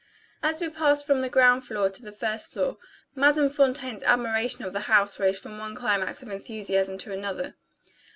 As we passed from the ground floor to the first floor, Madame Fontaine's admiration of the house rose from one climax of enthusiasm to another.